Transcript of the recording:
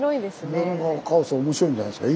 梅田のカオス面白いんじゃないですか。